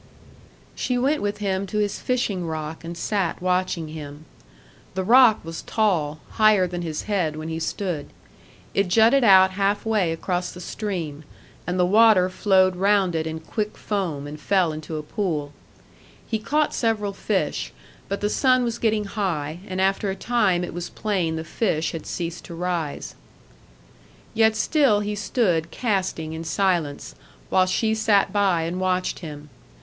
She went with him to his fishing rock, and sat watching him. The rock was tall, higher than his head when he stood. It jutted out halfway across the stream, and the water flowed round it in quick foam, and fell into a pool. He caught several fish; but the sun was getting high, and after a time it was plain the fish had ceased to rise. Yet still he stood casting in silence, while she sat by and watched him.